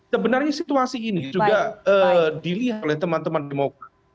sebenarnya situasi ini juga dilihat oleh teman teman demokrat